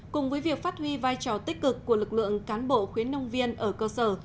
cùng với việc phát huy vai trò tích cực của lực lượng cán bộ khuyến nông viên ở cơ sở